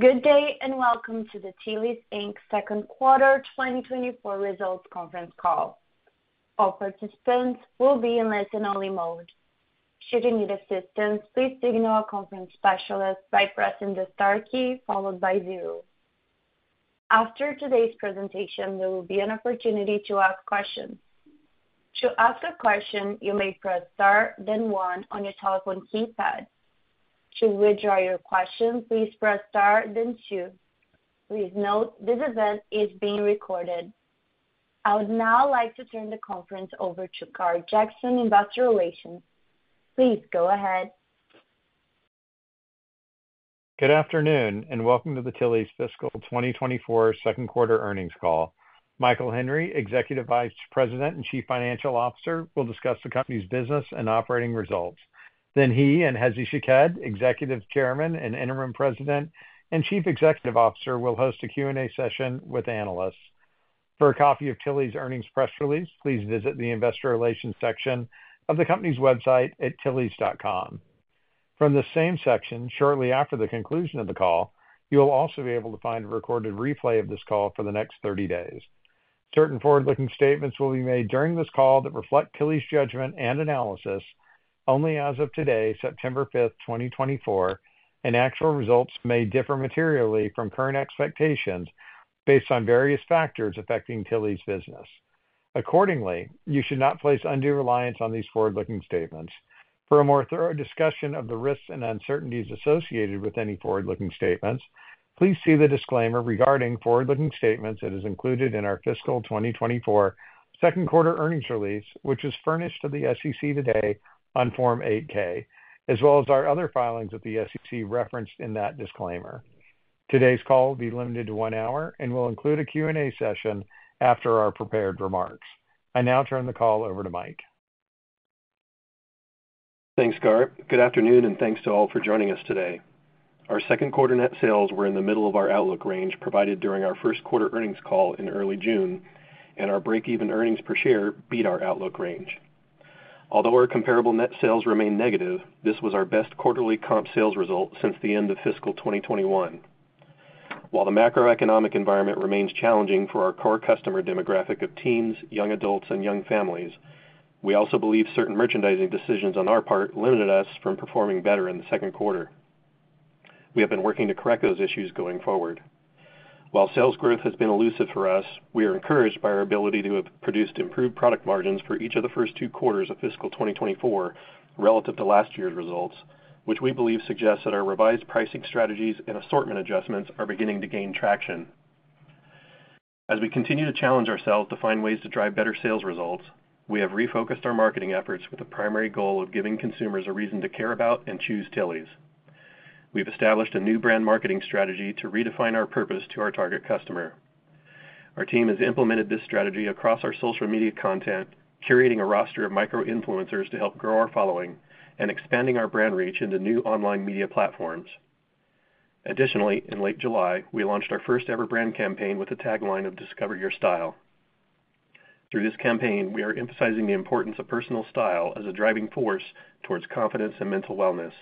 Good day, and welcome to the Tilly's, Inc. Second Quarter 2024 Results Conference Call. All participants will be in listen-only mode. Should you need assistance, please signal a conference specialist by pressing the star key followed by zero. After today's presentation, there will be an opportunity to ask questions. To ask a question, you may press star, then one on your telephone keypad. To withdraw your question, please press star, then two. Please note, this event is being recorded. I would now like to turn the conference over to Gar Jackson, Investor Relations. Please go ahead. Good afternoon, and welcome to the Tilly's fiscal 2024 second quarter earnings call. Michael Henry, Executive Vice President and Chief Financial Officer, will discuss the company's business and operating results. Then he and Hezy Shaked, Executive Chairman and Interim President and Chief Executive Officer, will host a Q&A session with analysts. For a copy of Tilly's earnings press release, please visit the Investor Relations section of the company's website at tillys.com. From the same section, shortly after the conclusion of the call, you will also be able to find a recorded replay of this call for the next 30 days. Certain forward-looking statements will be made during this call that reflect Tilly's judgment and analysis only as of today, September 5, 2024, and actual results may differ materially from current expectations based on various factors affecting Tilly's business. Accordingly, you should not place undue reliance on these forward-looking statements. For a more thorough discussion of the risks and uncertainties associated with any forward-looking statements, please see the disclaimer regarding forward-looking statements that is included in our fiscal 2024 second quarter earnings release, which was furnished to the SEC today on Form 8-K, as well as our other filings with the SEC referenced in that disclaimer. Today's call will be limited to one hour and will include a Q&A session after our prepared remarks. I now turn the call over to Mike. Thanks, Gar. Good afternoon, and thanks to all for joining us today. Our second quarter net sales were in the middle of our outlook range, provided during our first quarter earnings call in early June, and our break-even earnings per share beat our outlook range. Although our comparable net sales remain negative, this was our best quarterly comp sales result since the end of fiscal 2021. While the macroeconomic environment remains challenging for our core customer demographic of teens, young adults, and young families, we also believe certain merchandising decisions on our part limited us from performing better in the second quarter. We have been working to correct those issues going forward. While sales growth has been elusive for us, we are encouraged by our ability to have produced improved product margins for each of the first two quarters of fiscal 2024 relative to last year's results, which we believe suggests that our revised pricing strategies and assortment adjustments are beginning to gain traction. As we continue to challenge ourselves to find ways to drive better sales results, we have refocused our marketing efforts with the primary goal of giving consumers a reason to care about and choose Tilly's. We've established a new brand marketing strategy to redefine our purpose to our target customer. Our team has implemented this strategy across our social media content, curating a roster of micro-influencers to help grow our following, and expanding our brand reach into new online media platforms. Additionally, in late July, we launched our first-ever brand campaign with a tagline of Discover Your Style. Through this campaign, we are emphasizing the importance of personal style as a driving force towards confidence and mental wellness.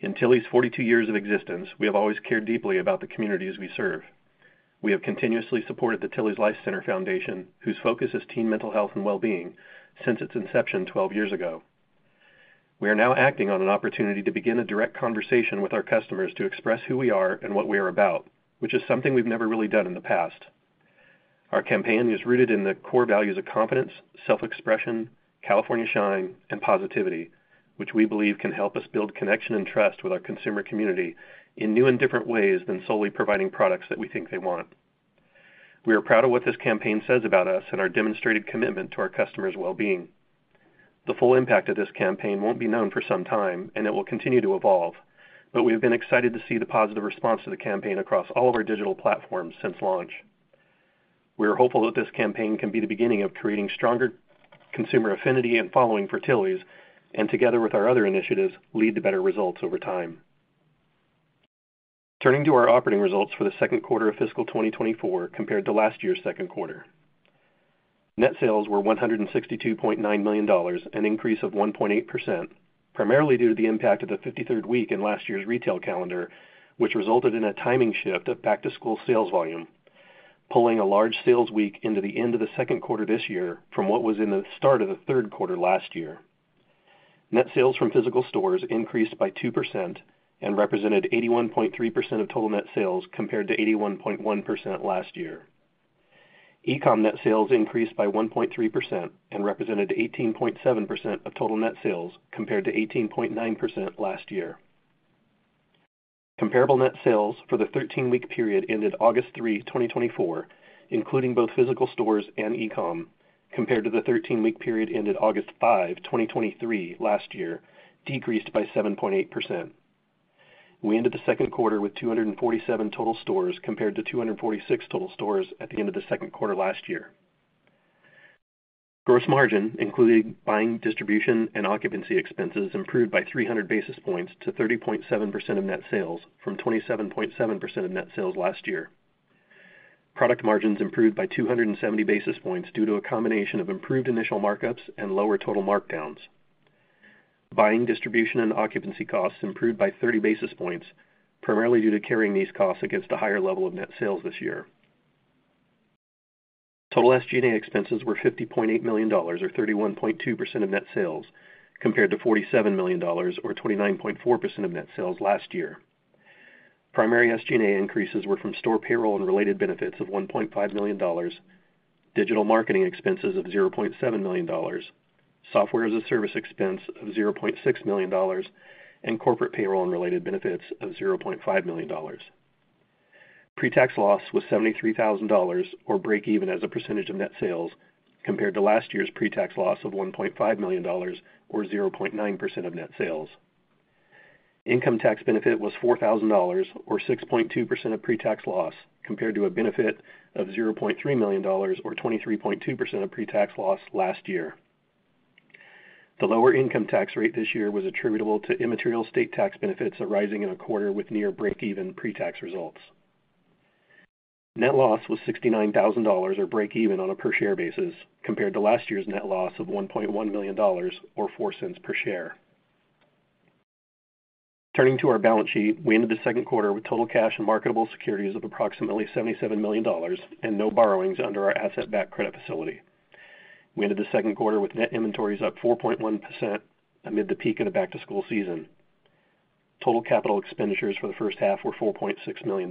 In Tilly's 42 years of existence, we have always cared deeply about the communities we serve. We have continuously supported the Tilly's Life Center Foundation, whose focus is teen mental health and well-being, since its inception 12 years ago. We are now acting on an opportunity to begin a direct conversation with our customers to express who we are and what we are about, which is something we've never really done in the past. Our campaign is rooted in the core values of confidence, self-expression, California shine, and positivity, which we believe can help us build connection and trust with our consumer community in new and different ways than solely providing products that we think they want. We are proud of what this campaign says about us and our demonstrated commitment to our customers' well-being. The full impact of this campaign won't be known for some time, and it will continue to evolve, but we've been excited to see the positive response to the campaign across all of our digital platforms since launch. We are hopeful that this campaign can be the beginning of creating stronger consumer affinity and following for Tilly's, and together with our other initiatives, lead to better results over time. Turning to our operating results for the second quarter of fiscal 2024 compared to last year's second quarter. Net sales were $162.9 million, an increase of 1.8%, primarily due to the impact of the 53rd week in last year's retail calendar, which resulted in a timing shift of back-to-school sales volume, pulling a large sales week into the end of the second quarter this year from what was in the start of the third quarter last year. Net sales from physical stores increased by 2% and represented 81.3% of total net sales, compared to 81.1% last year. E-com net sales increased by 1.3% and represented 18.7% of total net sales, compared to 18.9% last year. Comparable net sales for the 13-week period ended August 3, 2024, including both physical stores and e-com, compared to the 13-week period ended August 5, 2023 last year, decreased by 7.8%. We ended the second quarter with 247 total stores, compared to 246 total stores at the end of the second quarter last year. Gross margin, including buying, distribution, and occupancy expenses, improved by 300 basis points to 30.7% of net sales from 27.7% of net sales last year. Product margins improved by 270 basis points due to a combination of improved initial markups and lower total markdowns. Buying, distribution, and occupancy costs improved by 30 basis points, primarily due to carrying these costs against a higher level of net sales this year. Total SG&A expenses were $50.8 million, or 31.2% of net sales, compared to $47 million, or 29.4% of net sales last year. Primary SG&A increases were from store payroll and related benefits of $1.5 million, digital marketing expenses of $0.7 million, software as a service expense of $0.6 million, and corporate payroll and related benefits of $0.5 million. Pre-tax loss was $73,000, or breakeven as a percentage of net sales, compared to last year's pre-tax loss of $1.5 million, or 0.9% of net sales. Income tax benefit was $4,000, or 6.2% of pre-tax loss, compared to a benefit of $0.3 million, or 23.2% of pre-tax loss last year. The lower income tax rate this year was attributable to immaterial state tax benefits arising in a quarter with near breakeven pre-tax results. Net loss was $69,000, or breakeven on a per share basis, compared to last year's net loss of $1.1 million, or $0.04 per share. Turning to our balance sheet, we ended the second quarter with total cash and marketable securities of approximately $77 million and no borrowings under our asset-backed credit facility. We ended the second quarter with net inventories up 4.1% amid the peak of the back-to-school season. Total capital expenditures for the first half were $4.6 million.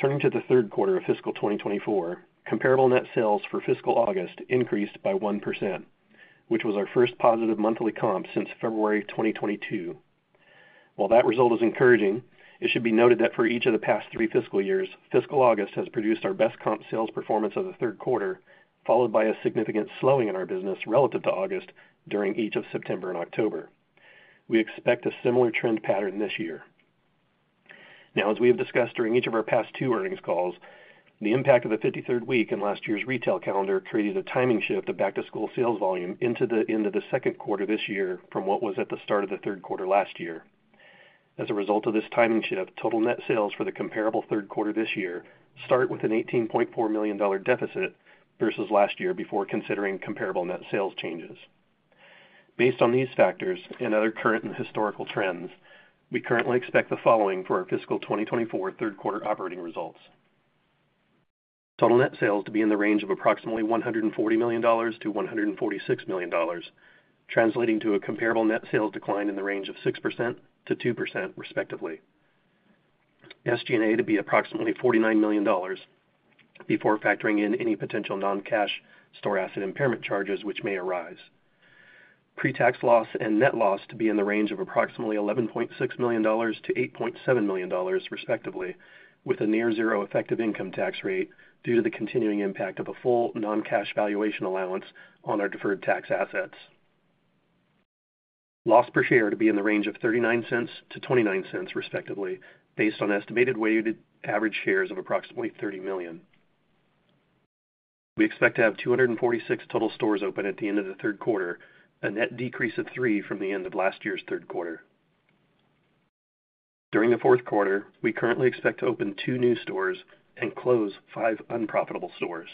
Turning to the third quarter of fiscal 2024, comparable net sales for fiscal August increased by 1%, which was our first positive monthly comp since February 2022. While that result is encouraging, it should be noted that for each of the past three fiscal years, fiscal August has produced our best comp sales performance of the third quarter, followed by a significant slowing in our business relative to August during each of September and October. We expect a similar trend pattern this year. Now, as we have discussed during each of our past two earnings calls, the impact of the 53rd week in last year's retail calendar created a timing shift of back-to-school sales volume into the end of the second quarter this year from what was at the start of the third quarter last year. As a result of this timing shift, total net sales for the comparable third quarter this year start with an $18.4 million deficit versus last year, before considering comparable net sales changes. Based on these factors and other current and historical trends, we currently expect the following for our fiscal 2024 third quarter operating results: Total net sales to be in the range of approximately $140 million-$146 million, translating to a comparable net sales decline in the range of 6%-2%, respectively. SG&A to be approximately $49 million before factoring in any potential non-cash store asset impairment charges which may arise. Pre-tax loss and net loss to be in the range of approximately $11.6 million-$8.7 million, respectively, with a near zero effective income tax rate due to the continuing impact of a full non-cash valuation allowance on our deferred tax assets. Loss per share to be in the range of $0.39-$0.29, respectively, based on estimated weighted average shares of approximately $30 million. We expect to have 246 total stores open at the end of the third quarter, a net decrease of 3 from the end of last year's third quarter. During the fourth quarter, we currently expect to open two new stores and close five unprofitable stores.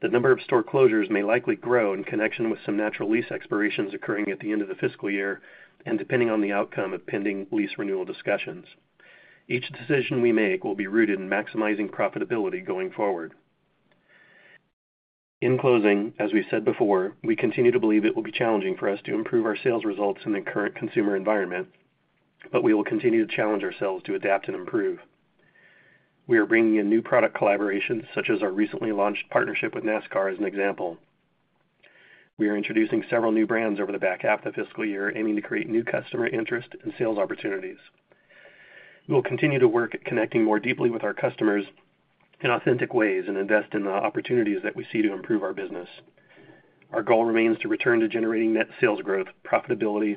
The number of store closures may likely grow in connection with some natural lease expirations occurring at the end of the fiscal year, and depending on the outcome of pending lease renewal discussions. Each decision we make will be rooted in maximizing profitability going forward. In closing, as we've said before, we continue to believe it will be challenging for us to improve our sales results in the current consumer environment, but we will continue to challenge ourselves to adapt and improve. We are bringing in new product collaborations, such as our recently launched partnership with NASCAR, as an example. We are introducing several new brands over the back half of the fiscal year, aiming to create new customer interest and sales opportunities. We will continue to work at connecting more deeply with our customers in authentic ways and invest in the opportunities that we see to improve our business. Our goal remains to return to generating net sales growth, profitability,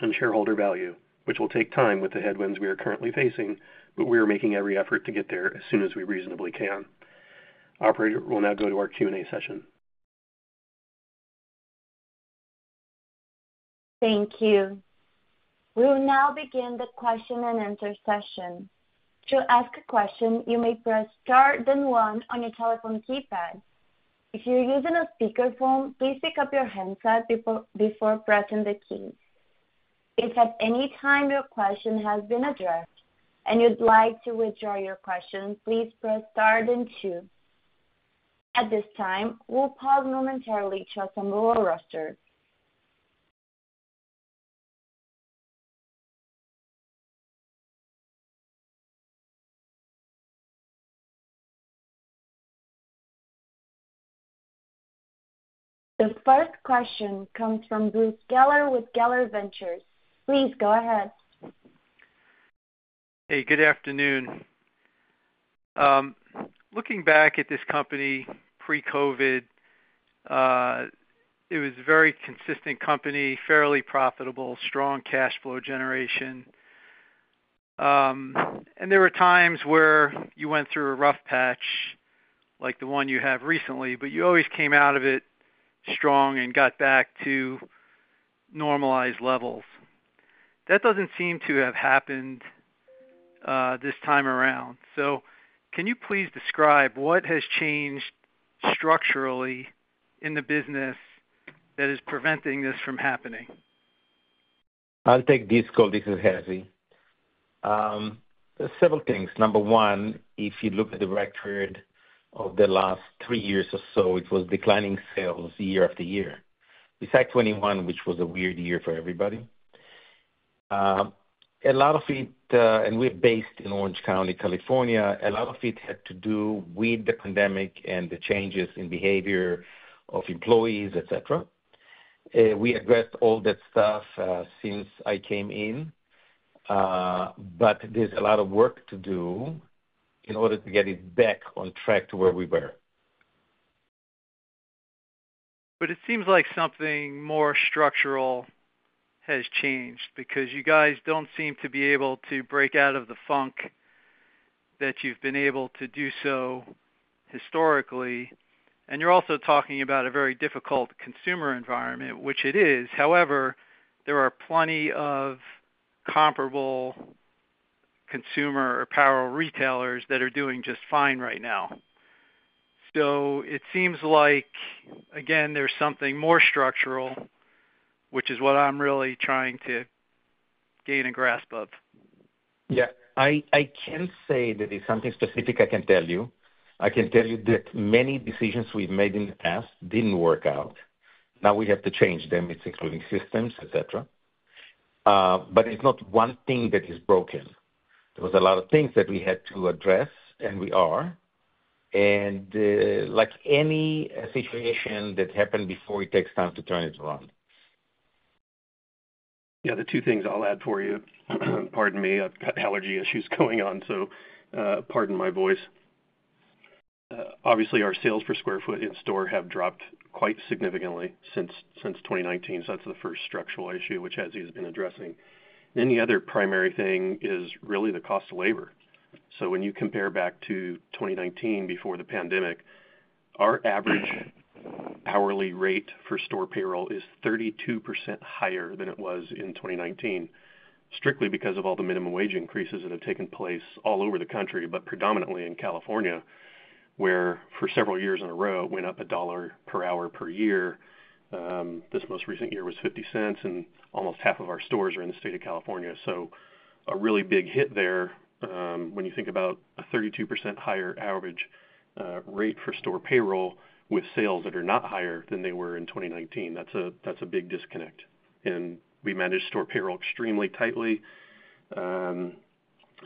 and shareholder value, which will take time with the headwinds we are currently facing, but we are making every effort to get there as soon as we reasonably can. Operator, we'll now go to our Q&A session. Thank you. We will now begin the Q&A session. To ask a question, you may press star then one on your telephone keypad. If you're using a speakerphone, please pick up your handset before pressing the keys. If at any time your question has been addressed and you'd like to withdraw your question, please press star then two. At this time, we'll pause momentarily to assemble our roster. The first question comes from Bruce Geller with Geller Ventures. Please go ahead. Hey, good afternoon. Looking back at this company pre-COVID, it was a very consistent company, fairly profitable, strong cash flow generation. And there were times where you went through a rough patch, like the one you have recently, but you always came out of it strong and got back to normalized levels.... That doesn't seem to have happened, this time around. So can you please describe what has changed structurally in the business that is preventing this from happening? I'll take this call. This is Hezy. Several things. Number one, if you look at the record of the last three years or so, it was declining sales year after year, besides 2021, which was a weird year for everybody. A lot of it, and we're based in Orange County, California. A lot of it had to do with the pandemic and the changes in behavior of employees, et cetera. We addressed all that stuff, since I came in, but there's a lot of work to do in order to get it back on track to where we were. But it seems like something more structural has changed because you guys don't seem to be able to break out of the funk that you've been able to do so historically. And you're also talking about a very difficult consumer environment, which it is. However, there are plenty of comparable consumer apparel retailers that are doing just fine right now. So it seems like, again, there's something more structural, which is what I'm really trying to gain a grasp of. Yeah. I can't say that it's something specific I can tell you. I can tell you that many decisions we've made in the past didn't work out. Now we have to change them. It's including systems, et cetera. But it's not one thing that is broken. There was a lot of things that we had to address, and we are. Like any situation that happened before, it takes time to turn it around. Yeah, the two things I'll add for you. Pardon me. I've got allergy issues going on, so pardon my voice. Obviously, our sales per square foot in store have dropped quite significantly since 2019. So that's the first structural issue, which Hezy has been addressing. Then the other primary thing is really the cost of labor. So when you compare back to 2019, before the pandemic, our average hourly rate for store payroll is 32% higher than it was in 2019, strictly because of all the minimum wage increases that have taken place all over the country, but predominantly in California, where for several years in a row, it went up $1 per hour per year. This most recent year was $0.50, and almost 1/2 of our stores are in the state of California. So a really big hit there. When you think about a 32% higher average rate for store payroll with sales that are not higher than they were in 2019, that's a big disconnect, and we manage store payroll extremely tightly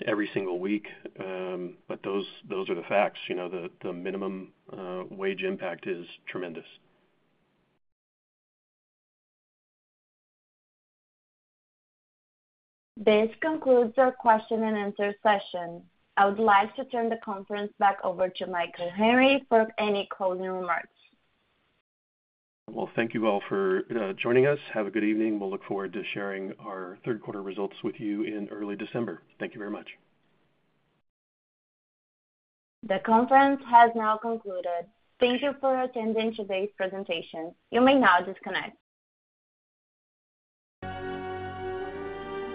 every single week. But those are the facts. You know, the minimum wage impact is tremendous. This concludes our Q&A session. I would like to turn the conference back over to Mike Henry for any closing remarks. Thank you all for joining us. Have a good evening, and we'll look forward to sharing our third quarter results with you in early December. Thank you very much. The conference has now concluded. Thank you for attending today's presentation. You may now disconnect.